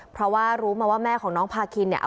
เพราะว่ารู้มาว่าแม่ของน้องพาคินเนี่ย